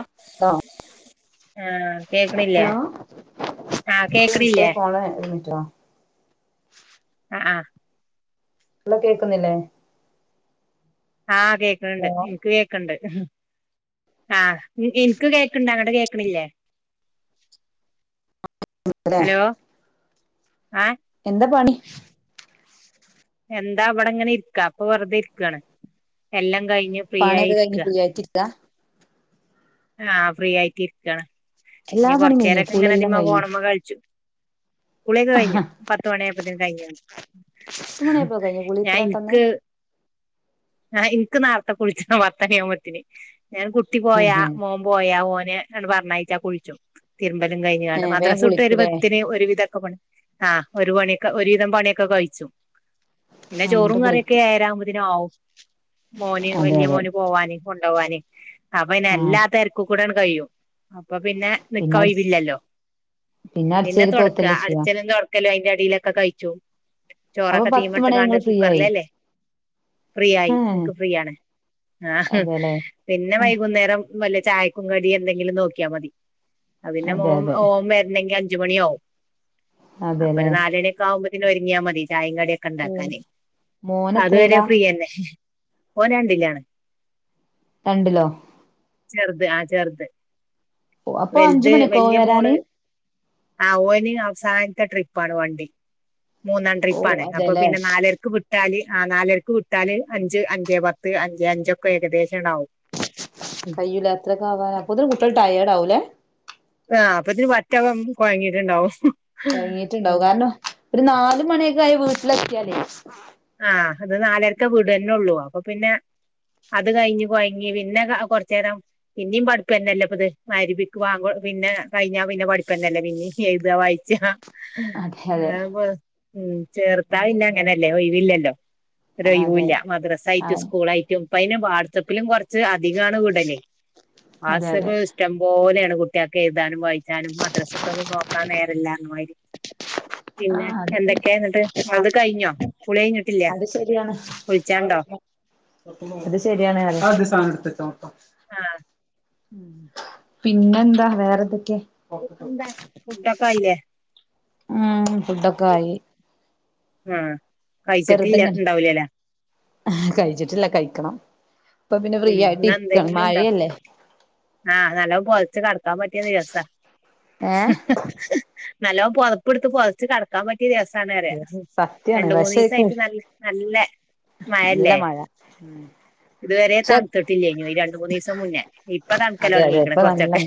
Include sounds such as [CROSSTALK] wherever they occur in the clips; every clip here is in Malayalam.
ആഹ. ഹലോ കേക്ണില്ലേ ഹലോ ആ കേക്ണില്ലേ.. എിട്ടോ [UNINTELLIGIBLE] ആ ആ.. ന്ന. കേക്കുന്നില്ലേ.. ആഹ കേക്ണ്ണ്ട്. ഹലോ ഇൻക്ക് കേക്കണ്ട് ആഹ. ഇൻക്ക് കേക്ണ്ട്. അങ്ങണ്ട് കേക്ണില്ലേ. അതെ ഹലോ.. ആ ഹേ.. എന്ത പണി.. എന്താ വിടെങ്ങനെ ഇരിക്കാ പ്പ വെറുതെ ഇരിക്കണ് എല്ലം കഴിഞ്ഞു.. പണയൊക്കെ കഴിഞ്ഞു. ഫ്രീ ആയിട്ടിരികാ.. ആഹ ഫ്രീ ആയിട്ട് ഇരിക്കണ് എല്ലാ ഇനി പണിയും കഴിഞ്ഞോ കൊറചേരൊക്കെ കുളി ഇങ്ങനെ എല്ലാം തിമ്മേ കഴിഞ്ഞോ ഫോണുമ്മെ കൾച്ചു.. കുളിയൊക്ക് കഴിഞ്ഞു പത്ത് മണി അ യപ്പത്തേന് കഴിഞ്ഞു പത്ത് മണിയായപ്പോ കഴിഞ്ഞോ കുളി ഞാൻ ഇത്ര പെട്ടെന്ന് ഇന്ക്.. ആ ഇന്ക്. നർത്തെ കുളിച്ചണംപത്തണിഅവുബോത്തിന്. ഞാൻ കുട്ടി പോയ മോ.. പോയാ ഓനെ ആണ്ട് പർണയച്ച കുഴിച്ചു.. തിരുമ്പലും കഴിഞ്ണ്ട് ഏഹ് വേഗം മദ്രാസട്ട് കുളിക്കൂലേ വരുബത്തിന് ആഹ് ഒരു വിധൊക്കെപണി.. ആഹ് ഒരു പണിയൊക്കെ ഒരുവിധം പണിയൊക്കെ കഴിച്ചു.. പിന്നെ ചോറും എന്നിട്ട് കറിയൊക്കെ കുളിക്കും എയരാ ആവുമ്പതിനാവും.. മോന് അതെ വല്ല്യ അതെ മോന് പോവാന് കൊണ്ടവാന് അപ്പൊ പിന്നെ ആഹ് എല്ലാ തെര്.. കുകൂടാണ്ട് കയും അപ്പൊ പിന്നെ.. നിക്ക പിന്നെ അടി ഒയിവില്ലല്ലോ പിന്നെ അടിച്ചേരി തോടക്ക തോത്തല്ലേ ചെയ്യാ അടിച്ചലും തോടക്ക.. കലും അയിന്റെ അടിലൊക്കെ കഴിച്ചു അപ്പൊ ചോറൊക്കെ പത്ത് മണി തീമട്ട്കാണ്ട്. നിങ്ങൾ ഫ്രീ ആയി കുക്കറിലല്ലേ.. ഫ്രീ യായി. ഏഹ് എനിക്ക് ഫ്രീ ആണ് ആഹ് അതെല്ലേ പിന്നെ വൈകുന്നേരം.. വല്ലേ ചായക്കു കടി എന്തെങ്കിലും നോകിയ മതി.. അതിന്നെ അതെ ഓം അതെ ഓം വരുന്നെങ്കിൽ അഞ്ചുമണിയാവും.. അതെല്ലേ അപ്പൊരു നാലണിയൊക്കെ ആവുമ്പോതിന് ഒരുങ്ങിയാ മതി ചായി കടിക്കെ ണ്ടാക്കാന് മോന് അത്വാര.. എത്രയിലാ എന്നെഷ്ഷ് ഓനണ്ടില്ലാന്ന്.. രണ്ടിലോ.. ചെറുത്. ആ ചെറുത്.. അപ്പൊ അഞ്ച് വലുത് മണിയൊക്കെ ആവോ വല്ല്യ മോള് വരാന് ആ വോനി അവസാൻത്തെ ട്രിപ്പാണ് വണ്ടി.. മൂന്നാം ഓ ട്രിപ്പാണ് അപ്പൊ അതെല്ലേ പിന്നെ നാലര്ക്ക് വ് ട്ടാല് ആ നാലര്‌ക്ക്‌വിട്ടാല് അഞ്ച് അഞ്ചേപത്ത് അഞ്ചെ അഞ്ചൊക്കെ ഏകദേശണ്ടാവും. കയ്യൂല അത്രൊക്കെ ആവാന് അപ്പോത്തിന് കുട്ട്യോള് ടയേഡാ ആവുല്ലേ? ആ അപ്പൊത്തിന് പറ്റെ കൊയ്ങ്ങീട്ട്ണ്ടാവും. കൊയ്ങ്ങീട്ട്ണ്ടാവും കാരണം ഒരു ന്നാല്മണിയൊക്കെ ആയി വീട്ട്‌ലെ ത്യാലേ ആ അത് നാലരക്ക വീടന്നെ ഒള്ളൂ അപ്പൊ പിന്നെ അത് കയ്ഞ്ഞ് കൊഴങ്ങി പിന്നെ കൊർചേരം പിന്നിം പഠിപ്പെന്നെല്ലപ്ത് മയിരിബിക് വാങ്കോ പിന്നെ കഴിഞ്ഞാ പിന്നെ പഠിപ്പന്നല്ലേ പിന്നിം എയ്താ വായ്ചാ [UNINTELLIGIBLE] അതെ മ് ചേർത്താ പിന്നെ അതെ അങ്ങനല്ലേ ഒയിവില്ലല്ലോ. അതെ ഒരോയിവുല്ല ആ മദ്രസായിട്ടും സ്കൂളാ യിട്ടും ഇപ്പ അയ്ന് വാട്സപ്പിലും കൊർ ച്ച് അധികാണ് വിടല് അതെ അതെ വാട്സപ് ഇഷ്ടം പോലേണ് കു കുട്ട്യാക് എയ്താനും വായിച്ചാനും മദ്രസ്ത്തത് നോകാനേരല്ലന്ന മായിരി. ആ പിന്നെ അതെ എന്തൊക്കെന്നട്ട് ആ നിങ്ങൾത് കയ്ഞ്ഞോ? അത് ശെരിയാണ് കുളിച്ചാണ്ടോ പോവെന്നെ. അത് ശെരിയാണ് അറ്യാ. ആഹ്. പിന്നെന്താ വേറെതൊക്കെ? പിന്നെന്താ ഫുഡൊക്കെ ആയില്ലേ ഉം ഫുഡൊക്കായി. ആ കയ്ച്ചിട്ട്ല്ല്യ ഇണ്ടാഊലലേ. കയ്ച്ചിട്ടില്ല കയ്ക്കണം ഇപ്പ പിന്നെ ഫ്രീ ഉം ആയിട്ട് ഇര്ക്കാണ് മഴയല്ലേ? ആ ന്നല്ലോം പൊത്ച്ച് കട്ക്കാൻ പറ്റ്യ ദിവസാ ഏ നല്ലോം പൊതപ്പ്ട്ത്ത് പൊത്ച്ച് കടക്കാൻ പ റ്റ്യ ദിവസാണ് പറ്യാ സത്യാണ് രണ്ട്‌ പക്ഷെ മൂന്നീസായ്ട്ട് ന്നൽ നല്ലെ നല്ല മയല്ലേ മഴ ഇതുവരെ പക്ഷെ തൺതിട്ടില്ലേനീ ഈ രണ്ട് മൂന്നീസം മുന്നേ ഇപ്പ തൺക്കലൊട്ങ്ങീക്ക്ണ് കൊർച്ചേര്തെ.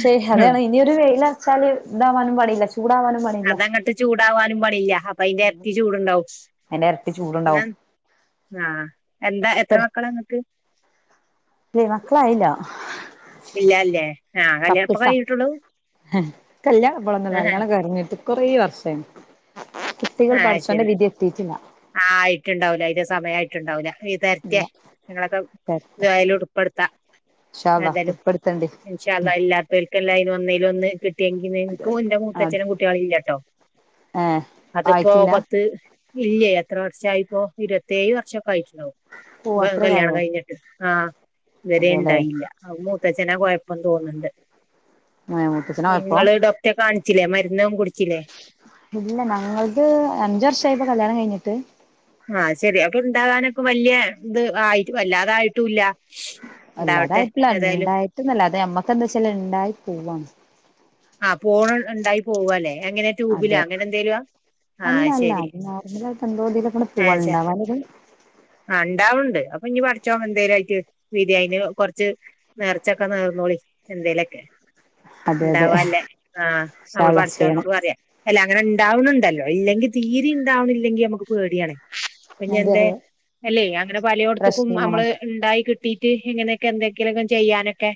ശെ അതാണ് ഇനിയൊരു വെയ്ല ർച്ചാല് ഇതാവാനും പണില്ല ചൂടാവാനും പണിയില്ല. അതങ്ങട്ട് ചൂടാവാനും പണിയില്ല്യ അപ്പ അയ്ന്റെരട്ടി ചൂട്ണ്ടാവും അതിന്റെ ഇരട്ടി ന്ന ചൂടുണ്ടാവും ആ എന്താ എത്ര മക്കളാങ്ങക്ക്? ഇല്ലേ മക്കളായില്ല. ഇല്ല അല്ലേ ആ പത്ത് കല്യണപ്പ സ കയ്ഞ്ഞിട്ടൊള്ളൂ? കല്യാണം ഇപ്പളൊന്നൊല്ല കല്യാണം കയ്ഞ്ഞിട്ട് കൊറേ വർഷായീണ് കുട്ടികൾ പടച്ചോന്റെ വിധി എത്തീട്ടില്ല. ആ ആയ്ട്ട്ണ്ടാവൂല അയ്ന്റെ സമയായിട്ടുണ്ടാവൂല. ഈ ഇല്ല തര്റ്റെ ഞങ്ങളൊക്കെ വരട്ടെ ദുഹായിൽ ഉൾപ്പെടുത്താ ഇൻഷാ അള്ളാ ഏതാലും ഉൾപ്പെടുത്തണ്ട് ഇൻഷാ അള്ളാ ഇല്ലാത്തോൽക്കല്ലെ അയ്ന് ഒന്നേ ലൊന്ന് കിട്ട്യങ്കില് അതെ ഇൻക്കും ഇന്റെ അതെ അത് മൂത്തച്ഛനും കുട്ട്യാള് ഇല്ലട്ടോ ഏഹ് അതിപ്പോ ആയിട്ടില്ല പത്ത് ഇല്ല്യാ എത്ര വർഷായിപ്പോ ഇരുവത്തേയ് വർഷൊക്കെ ആയിട്ട്ണ്ടാവും ഓ കല്യാണം അത്രക്കായോ കയ്ഞ്ഞിട്ട്. ആ ഇതെരെ അതെല്ലേ ഇണ്ടായില്ല അത് മൂത്തച്ഛനാ കൊയപ്പം തോന്ന്ണ്ട്. ഏഹ് മൂത്തച്ഛനായപ്പോ നിങ്ങള് ഡോക്ടന്റെ കാൺച്ചിലേ മര്ന്നൊന്നും കുട്ച്ചിലേ? ഇല്ല ഞങ്ങൾത് അഞ്ച് വർഷായിപ്പോ കല്യാണം കയ്ഞ്ഞിട്ട്. ആ ശെരി അപ്പൊ ഇണ്ടാകാനൊക്കെ വല്യ ഇത് ആയി്ട് വല്ലാതായിട്ടൂല്ല. വല്ലാതായിട്ടില്ല ഇണ്ടായിട്ട്ന്നല്ലാതെ അമ്മക്കെന്താച്ചാല് ഇണ്ടായി പൊവ്വാണ്. ആ പോൺ ഇണ്ടായി പോവാല്ലെ എങ്ങനെ ട്യൂബില അതെ അങ്ങനെ എന്തേ ല്യൊ? അല്ല അല്ല അത് ആ ശ [UNINTELLIGIBLE] ആ ഇണ്ടാവ്ണ്ട് അപ്പൊ ഇഞ്ഞ് പട്ച്ചോൻ എന്തേലായിട്ട് വിധി അയ്ന് കൊർച്ച് ന്നേർച്ചൊക്കെ നേർന്നോളി എന്തേലൊക്കെ. അതെ അതെ ഇണ്ടാവാല്ലേ ആ ഇൻഷാ നമ്മൾ അല്ലാഹ് ചെയ്യണം പട്ച്ചോന്നോട് പറ്യാ. അല്ല അങ്ങനെ ഇണ്ടാവ് ണ്‌ടല്ലോ ഇല്ലെങ്കി തീരിം ഇണ്ടാവ്ണില്ലെങ്കി അമ്മക്ക് പേട്യാണേ. അതെ പെഞ്ഞെന്തേ അതെ എല്ലേ അങ്ങനെ പലോട്‌ത്ത്‌ക്കും പ്രശ്നമാണ് അമ്മള് ഇണ്ടായി ക് [UNINTELLIGIBLE] ഇങ്ങനെയൊക്കെ എന്തെക്കിലൊക്കെ ചെയ്യാനൊക്കെ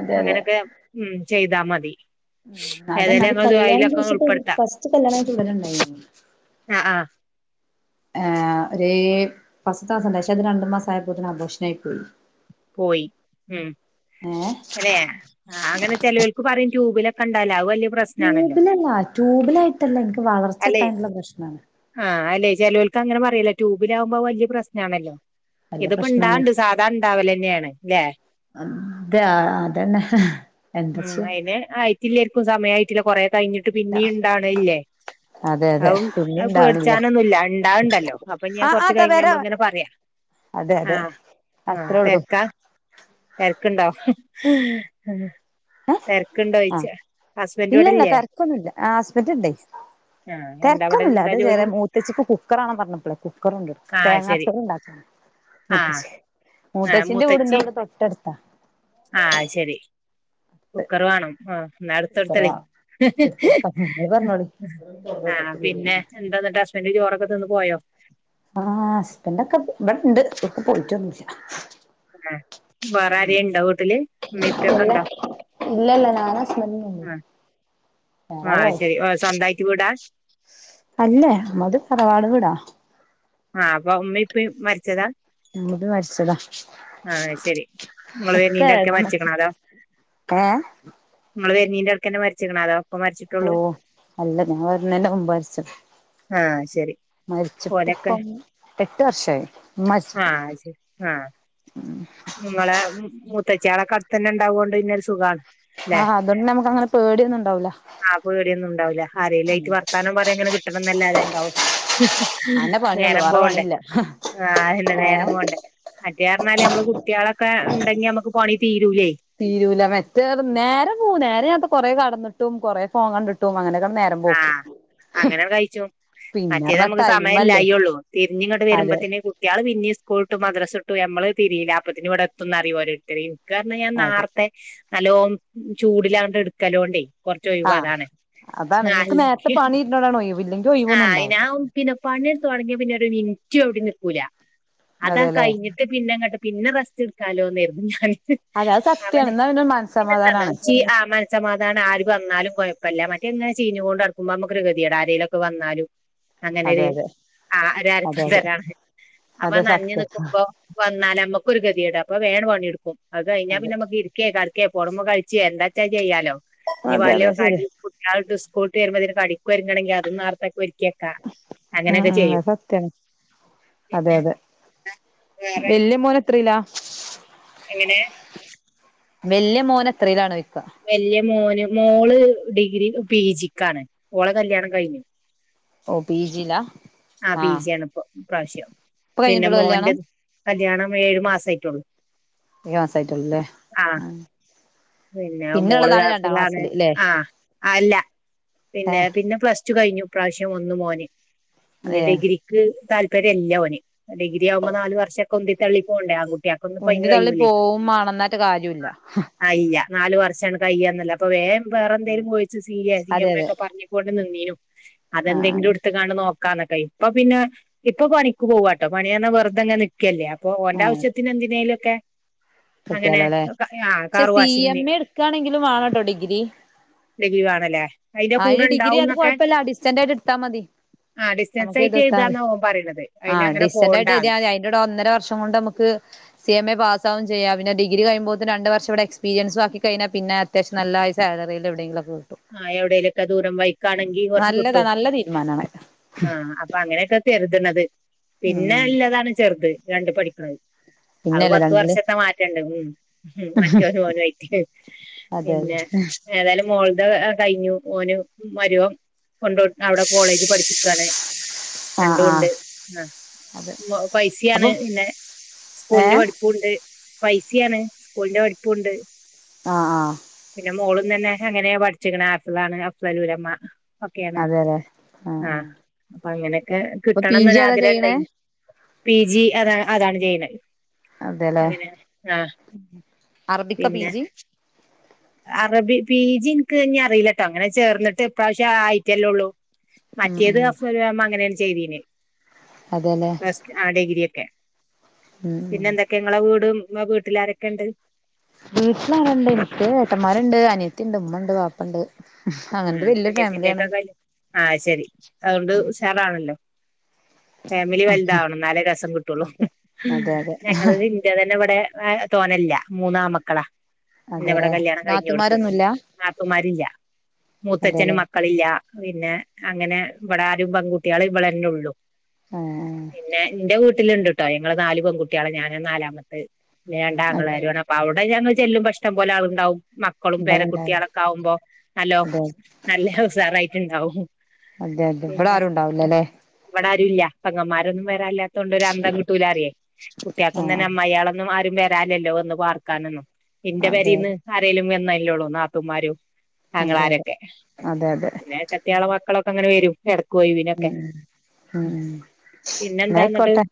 അതെ അതെ അങ്ങനൊക്കെ ഉം. ചെയ്താമതി. ആ അതന്നെ അത് കല്യാണം ചോദിച്ചിട്ട് ഉൾപ്പെടുത്താം ഫസ്റ്റ് കല്യാണയ്റ്റ് ഉടനെണ്ടായിരുന്നു ആഹ് ആഹ് ഒരു ഫസ്റ്റ് മാസ്ണ്ടയിനിം പക്ഷേ അത് രണ്ടു മാസം ആയപ്പോ തന്നെ അബോർഷന ആയി പോയി പോയി ഉം ഏഹ് അല്ലെ ആഹ അങ്ങനെ ചെലോൽക്ക് പറയും ടൂബിലൊക്കെണ്ടല്ല അയ് വല്യ പ്രശ് ട്യൂബിലല്ല ട്യൂബിലായിട്ടല്ല എൻക്ക് വളർച്ചെത്താനുള്ള പ്രശ്നാണ്. ആഹ് അല്ലെ ചെലോൽക്ക് അങ്ങനെ പറയോലോ ട്യൂബിലാകുമ്പോ വല്യപ്രശ്ന ആണല്ലോ വല്യ ഇത്പ്പ പ്രശ്നാണ് ഇണ്ടവ്ണ്ട്. രണ്ടാവല തന്നെയാണ്ല്ലേ അതെ അതന്നെ എന്താ ചെ റ്റില്ലരിക്കും സമയ ആയിറ്റില്ല കൊറെ കഴിഞ്ഞിട്ട് പിന്നെയ ഉണ്ടാണ്ല്ലേ അതെ അതെ അും പിന്നെ അത് ഇണ്ടാവണില്ലേ പേടിച്ചാനൊന്നുല്ല ഉണ്ടാവണ്ടല്ലോ അപ്പൊ ആ ഞാൻ ആ കൊറച്ച താ കഴിഞ്ഞ് നമ്മള വരാം ഇങ്ങനെ പറയാ അതെ അതെ ആഹ് ആഹ് അത്രേ ഉള്ളൂ തെരക്കാ? തെര്ക്കുണ്ടോ? ആ ആ ഹസ്ബൻഡ് ഇല്ലല്ല ഇവടെല്ലേ തെരക്കൊന്നുംല്ല ഹസ്ബെന്റ് ഇണ്ടേ ആ എന്താ ഇവടെ തെക്കൊന്നുമില്ല എന്താ അത് ചേരെ ജോലി മൂത്തച്ചിക്ക് കുക്കറാണ പറഞ്ഞപ്പളെ കുക്കറുണ്ട് ആ ശരി തേങ്ങാച്ചെറുണ്ടാക്ക ആ മൂത്തശ്ശി ആ മൂത്തശ്ശിന്റെ വീടും ന്റെ മൂത്തച്ചി വീടും തൊട്ടടുത്താ. ആഹ് ശെരി. [INAUDIBLE] കുക്കറ് വേണം ആ ന്നാ അടുത്തടുത്ത് കുക്കറാ എടുത്തെടുക്കാം ഇങ്ങള് പറഞ്ഞോളി ആ പിന്നെ എന്താന്ന്ട്ടാസ് [UNINTELLIGIBLE] ചോറൊക്കെ നിന്ന് പോയോ? ആ ഹസ്ബന്റ് ഒക്കെ [UNINTELLIGIBLE] ഇവിടെണ്ട് പോയിറ്റൊന്നുല്ല. ആഹ് [INAUDIBLE] വേറെ ആര്യേണ്ടോ വീട്ടില് മ്മീ പ്പി ക്കെണ്ടോ. ഇല്ല ഇല്ല നാന് [UNINTELLIGIBLE] ആഹ് ശെരി സ്വന്തയിറ്റ് വീടാ അല്ലേ മ്മൾത് തറവാട് വീടാ. ആഹ് പ്പൊ മ്മീ പ്പി മരിച്ചതാ മ്ൾത് വരിച്ചതാ. ആഹ് ശരി നിങ്ങള് ഒക്കെ വരുന്നീന്റെ എടയ്ക്കാ ആണം മരിച്ചിക്കണ ഏ ങ്ങള് വെര്നെന്റെ എട്കെന്നെ മരിച്ചരിക്കണാ തോ? ഓ അല്ല ഞാൻ വരുന്ന ന്റെ മരിച് ആഹ് ശരി മരിച്ചിട്ട് ഓലൊക്കെ ഇപ്പം എട്ട് വർഷയി മരിച്ചിട്ട് ഉം ഇങ്ങളെ മൂത്തച്യേളൊക്ക അട്തെന്നെ ണ്ടാവുകോണ്ട് ന്നെ ഒര് സുഖണ്. ആഹ് അതൊണ്ട് നമക്ക് അങ്ങനെ പേടിന്നുംണ്ടാവൂല. ആ പേടിന്നും ണ്ടാവൂലാ ആരേല് ആയിറ്റ് വർത്താനം പറയും അങ്ങനെ കിട്ടണംന്നല്ലാതെ. ഉണ്ടാവും അന്നെ പണിയുള്ളൂ നേരം വേറെ പോണ്ടേ പണിയില്ല ആഹ് അല്ല ഏ നേരം പോണ്ടേ. മറ്റേ അർണാല് അമ്മള് കുട്ട്യേളെക്കെ ണ്ടെങ്കി അമ്മക്ക് പണി തീരൂല്ലേ. തീരുല മറ്റേത് നേരെ പോവ് നേരെ ആപ കൊറെ കടന്നിട്ടും കുറെ ഫോങ്ങ കണ്ടിട്ടും അങ്ങനെയൊക്ക നേ ആഹ് അങ്ങന കയ്ച്ചു. മറ്റേത് പിന്നെറഞ്ഞ അമ്മക്ക് ടൈമല്ലേ സമയമല്ലായി ഉള്ളൂ തിരിഞ്ഞു ഇങ്ങോട്ട് അതെ വെരുമ്പോത്തനെ കുട്ടിയാള് പിന്നേം സ്കൂൾട്ടും മദ്രസ്ട്ടും നമ്മള്ൾതിരിയില്ല അപ്പൊത്ത്ന് വിടെത്തുംന്നറിം ഓരോര്ത്തര് കാര്ണം ഞാൻ അതെ നാർത്തെ നലോ ചൂടിലാണ്ട് എടുക്കലോണ്ടേ കൊറച് ആ ഒഴവാ അതാണ്.. അതാണ് ഇങ്ങക്ക് നേര്ത്തെ അല്ലെങ്കി പണി ഇരുന്നോടാണ് ഒയ് വ് ഇല്ലെങ്കി ഒയിവൊന്നും ആഹ് ണ്ടാവൂല. ഞാൻ പിന്നെ പണി എട്ത്ത് തൊടങ്ങ്യ പിന്നെ ഒരു മിനിറ്റ് എവിടെ നിക്കൂല അതാ അതെല്ലേ കയ്ഞ്ഞി പിന്നെ അങ്ങട്ട് പിന്നെ റസ്റ്റ് എടുക്കാലോന്നര് തും ഞാൻ. അതെ അത് സത്യാണ് അവനെ എന്നാ പിന്നെ പിന്നെന്തന്നോ മനസ്സമാധാനാണ് ച്ചി ആമൻ സമാധാന ആര് വന്നാലും കൊയപ്പല്ല മറ്റെങ്ങനെ ചീഞ്ഞുകൊണ്ടട്ക്കുമ്പോ കൊണ്ട് നടക്കുമ്പോ നമ്മക്ക് ഒര് ഗതെട ആരെലൊക്കെ വന്നാലും. അതെ അങ്ങനെര് അതെ അതെ അതെ [UNINTELLIGIBLE] അപ്പൊ അതെ നഞ്ഞ് സത്യം ന്ക്കുമ്പോ വന്നാല് അമ്മക്ക് ഒരു ഗതിഏടാ അപ്പ വേണം പണി എടുക്കും അത് കഴിഞ്ഞാ അതെ പിന്നെ അമ്മക്ക് വെക്കെ കട്ക്കെ ഫോൺമ്മേ കൾച്ചേ എന്താച്ചാ ചെയ്യാലോ നീ അതെ വല്യ അതെ കൈ ശരിയാ കുട്ട്യാള്ട്ടു സ് സ്ക്കൂള് ട്ട് വരുമ്പോതിന് കടിക്കൊരുങ്ങണെങ്കി അതും നാർത്തൊക്കെ ഒരുക്കി വെക്കാ ഉം അങ്ങനെക്കെ ഉം ചെയ്യും അത് സത്യാണ് അതെ പിന്നെന്താ വേറെ? ത്രീലാ എങ്ങനെ വെല്ല്യ, മോനെത്രെലാണ് ഒയ്കാ? വെല്ല്യ മോന്, മോള്, ഡിഗ്രി, പി, ജി, ക്കാണ്. ഓളെ കല്യാണം കഴിഞ്ഞു. ഓഹ്, പി, ജി, ലാ? ആഹ്, പി, ജി, ആണ്. ഇപ്പൊ, ഇപ്രാവ്ശ്യം. ഇപ്പൊ പിന്നെ, കഴിഞ്ഞിട്ടുള്ളൂ കല്യാണം മോന്റെകല്യാണം. ഏഴു, മാസ ആയിറ്റൊള്ളൂ. ഏയ്, മസായിറ്റൊള്ളു ലെ? ആഹ്. പിന്നെ, മോള് ഉള്ളതാണ് രണ്ടാം കാസിലാണ്. ക്ലാസ്സില് ല്ലേ ആഹ്, അല്ല. പിന്നെ, ഏഹ് പിന്നെ, പ്ലസ് ടു, കഴിഞ്ഞു. ഇ പ്രാവശ്യം ഒന്ന് മോന്. ഇഞ്ഞ് ഏഹ് ഡിഗ്രി ക്ക്, താല്പര്യം ല്ല. ഓന്, ഡിഗ്രി ആവുമ്പോ, നല് വർഷക്കുന്തി തള്ളി പോണ്ടേ. ആങ്കുട്ട്യാ ഉന്തി, തള്ളി, പോവുമാണം ന്നാറ്റ്- കാര്യുല്ല. ആയീല്ല്യ, നാല് വർഷണ് കയ്യന്നല്ല പ്പൊ, വേം, വേറെന്തേലും, കോയിച്ച്. സി യ്യെ, സിയെ, അതെ അതെ എമ്മൊക്കെ, പറഞ്ഞുകൊണ്ട് നിന്നീനു. അതെ, ആഹ് ന്തേങ്കിലും ടുത്തു ങ്ങാണ്ട് നോ [UNINTELLIGIBLE] ഇപ്പൊ, പിന്ന ഇപ്പൊ പണിക്ക് പോവാട്ടോ? പണിന്നർഞ വെറുതെങ്ങനെ നി ക്കല്ലേ. അപ്പൊ, ഓൻ്റാ ആഹ് വശ്യത്തിനെന്തി നേലക്കെ. അങ്ങനെ, ആഹ് ക്ഷെ കാർ സി, എം, വാഷിങ്ങിന് എ, ട്ക്കാണെങ്കിലും വാണട്ടോ. ഡിഗ്രി ഡിഗ്രീ വാണല്ലേ? അയിന്റെ കൂടെ അതിന് ഡിഗ്രി അത് ണ്ടാവുന്നൊക്കെ. കുഴപ്പമില്ല ഡിസ്റ്റന്റ് ആയിട്ട് എടുത്താൽ മതി ആഹ്, നമുക്ക് ഡിസ്റ്റൻസായിട്ട് ചെയ്തെടുത്താ എഴുതാ മതി ന്നോൻ പറയ്ണത്. അയിനങ്ങനെ പോണ്ടാന്ന്. അയിന്റെടെ ഒന്നര വർഷംകൊണ്ട് നമുക്ക്. സി, എം, എ, പാസാവു ചെയ്യാം, പിന്ന, ഡിഗ്രീ കഴിയ്പോത്തിന് രണ്ട്, വർഷംവിടെ എക്സ്പീരിയൻസും ആക്കികഴിഞ്ഞാ പിന്നേ, അത്യാവഷ്യം നല്ല സാലറീ ലെവിടേങ്കിലൊക്കെ കി ആഹ്, എവിടേലൊക്കെ ദൂരം വൈക്കാണെങ്കി കൊറച്ച് നല്ലതാ കിട്ടും. നല്ല തീരുമാനമാണ് ആഹ്, അ പ്പങ്ങനെക്കെ കെരുത്ണത്. ഉം പിന്നെല്ലതാണ് ചെറുത്. രണ്ട് പഠിക്ക്ണത്. അത്, പിന്നല്ലേ പത്ത് രണ്ടില് വർഷത്തെ മാറ്റണ്ട്. ഉം, മറ്റോനും ഓനോയിറ്റ്. അതെ, യതെ? ഏതാലും, മോൾദ അ, ആ കഴിഞ്ഞു. ഓന്, മരോം. കൊണ്ടോട് അവടെ, കോളേജ് പഠിപ്പിക്കണ്. ആ രണ്ടു ആ ണ്ട്, ആഹ്, അതെ ഫൈസിയാണ് അപ്പം പിന്നെ, ഏ സ്കൂളിന്റെ പഠി പ്പുണ്ട്. ഫൈസിയാണ്, സ്കൂളിന്റെ പഠിപ്പുണ്ട്. ആഹ്, ആഹ്. പിന്നെ, മോളും തന്നെ, അങ്ങനെ പഠിച്ചിക്ക്ണ്. ഹാഫിളാണ് അഫ്ളലുലമ. ഒക്കേണ്. അതെല്ലേ ആ ആ ആഹ്, അപ്പൊ അങ്ങനൊക്കെ അപ്പൊ പി ജി ഏതാ ചെയ്യണേ കിട്ടണംന്നൊരാഗ്രഹണ്ടായിനി. പി, ജി, അതാണ് അതാണ്, ചെയ്ണ്. അതെല്ലേ അങ്ങനെ ആഹ്, അറബിക്ക പി പിന്നെ. ജി അറബി, പീജിൻ ക്ക്, ഞ്ഞറീലട്ടോ. അങ്ങനെ ചേർന്ന്ട്ട് പ്രാവശ്യ ആയിട്ടെല്ലെള്ളൂ.... ഉം മറ്റേത് ഉം അഫ്ളലുലമ അങ്ങനേണ്? ചെയ്തീന് അതെ, ല്ലെ? ആഹ്, ഡിഗ്രി, ഒക്കെ ഉം പിന്നെ ഉം എന്തൊക്കെ? ങ്ങളെ വീടും വീട്ടിലാരൊക്കെണ്ട്. വീട്ടിലാള്ണ്ട്. എനിക്ക് ഏട്ടന്മാരുണ്ട്. അനിയത്തിണ്ട്. ഉമ്മണ്ട്, വാപ്പണ്ട്. അങ്ങൻത്തെ ആഹ് വല്യ അനിയത്തിന്റെ ഫാമിലിയാണ്. ഒക്കെ കല്യാ ആഹ്, ശരി അതോണ്ട് ഉഷാറാണല്ലോ? ഫാമിലി വല്താവണം. ന്നാലേ രസം കിട്ടൊള്ളൂ... ഉം, അതെ അതെ അതെ ഞങ്ങള്. തന്നെവിടെ തോനല്ല. മൂന്നാ മക്കളാ. ഇന്നവടെ അതെല്ലേ കല്യാണം കഴിഞ്ഞോട്ത്ത്. നാത്തുമാരൊന്നുല്ല നാത്തൂമാരില്ല. മൂത്തച്ഛന് അതെല്ലേ മക്കളില്ലാ -പിന്നെ, അങ്ങനെ ഇവടെ ആരും പെൺകുട്ടിയേള് ഇവിളെന്നൊള്ളു... ഏ.. പിന്നെ, ഇന്റെ വീട്ടില്ണ്ട്ട്ടോ. ഞങ്ങള് നാല് പെൺകുട്ടിയേള, ഞാനാ നാലാമത്ത് പിന്നെ അതെ രണ്ടാങ്ങളാരു ആണ്. പ്പ. അവ്ടെ ഞങ്ങള് ചെല്ലുമ്പോ ഷ്ടം പോലാളുണ്ടാവും മക്കളും പേര ഇവിടെണ്ടാവും കുട്ടിയേളൊക്കാവുമ്പോ. നല്ലോം. അതെ നല്ല ഹൊസാറായിട്ടുണ്ടാവും, അതെ അതെ ഇവിടെ പിന്നെ ആരും ഉണ്ടാവില്ലല്ലേ ഇവിടാരുല്ല. പ്പെങ്ങമാരൊന്നും വെരാല്ലാത്തോണ്ട് ഒരു അന്തം കിട്ടൂല അറിയേ, കുട്ടിയാ ക്കും ആ തന്നെ, അമ്മായളൊന്നും ആരും വര വരാലല്ലോ, വന്ന് പാർക്കാനൊന്നും ഇന്റെ അതെ പെരീന്ന് ആരേലും വന്നല്ലോള്ളൂ നാത്തൂമാര്. അതെയതെ പിന്നെ ഏട്ടത്തിയേളെ മക്കളൊക്കങ്ങനെ വരും ഉം ഏടക്കൊഴുവിനൊക്കെ ഉം ഉം പിന്നെന്താ ന്നട്ട് എന്നായിക്കോട്ടെ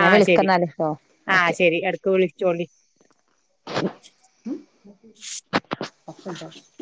ഞാൻ ആഹ് ശരി വിളിക്കന്നാല് ട്ടോ ആഹ് ഓക്കെ ശരി എട് ക്ക്‌ വിൾചോണ്ടി [UNINTELLIGIBLE]